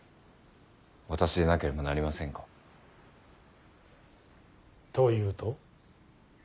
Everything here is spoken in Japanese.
私でなければなりませんか。というと。